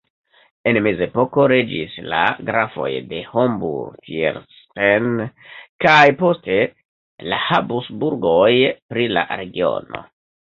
En mezepoko regis la Grafoj de Homburg-Thierstein kaj poste la Habsburgoj pri la regiono.